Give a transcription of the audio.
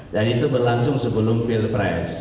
dan itu berlangsung sebelum pilpres